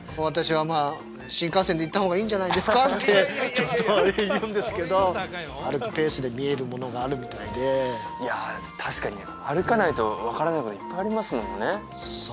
私は新幹線で行った方がいいんじゃないですか？ってちょっと言うんですけど歩くペースで見えるものがあるみたいでいや確かに歩かないと分からないこといっぱいありますもんね